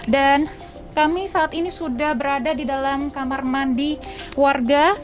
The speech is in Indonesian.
dan kami saat ini sudah berada di dalam kamar mandi warga